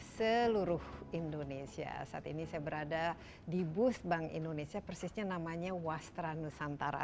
seluruh indonesia saat ini saya berada di bus bank indonesia persisnya namanya wastra nusantara